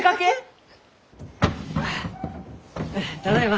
あただいま。